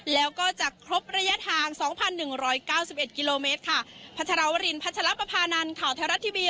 แล้วก็จะครบระยะทางสองพันหนึ่งร้อยเก้าสิบเอ็ดกิโลเมตรค่ะพัชรวรินพัชระประพานันข่าวแท้รัฐทีบี